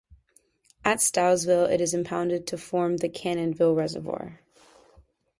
At Stilesville it is impounded to form the Cannonsville Reservoir.